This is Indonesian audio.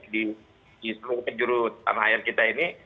di seluruh penjuru tanah air kita ini